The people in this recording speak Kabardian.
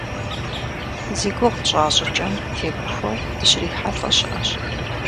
Зи гугъу тщӏа щӏыкӏэм темыхуэу дыщрихьэлӏэ щыӏэщ.